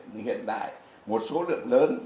nhưng hiện đại một số lượng lớn